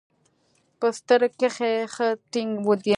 په ستر کښې ښه ټينګ دي.